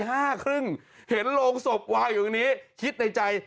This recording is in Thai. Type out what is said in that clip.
เห็นโรงศพวายอยู่ตรงนี้คิดในใจ